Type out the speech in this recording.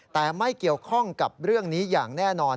แต่ไม่เกี่ยวข้องกับเรื่องนี้อย่างแน่นอน